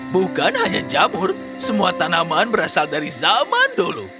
bukan hanya jamur semua tanaman berasal dari zaman dulu